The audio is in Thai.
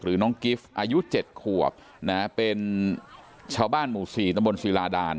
หรือน้องกิฟต์อายุเจ็ดขวบนะเป็นชาวบ้านหมู่สี่ตำบลศรีราดาล